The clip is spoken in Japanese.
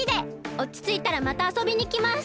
おちついたらまたあそびにきます！